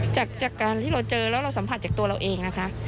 จากการที่เราเจอแล้วเราสัมผัสจากตัวเราเองนะคะ